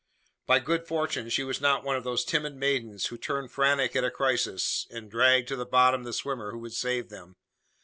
By good fortune she was not one of those timid maidens who turn frantic at a crisis, and drag to the bottom the swimmer who would save them.